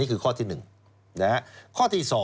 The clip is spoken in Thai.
อืม